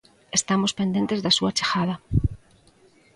Estamos pendentes da súa chegada.